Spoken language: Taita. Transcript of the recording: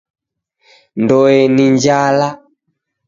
Ndoe ni njala.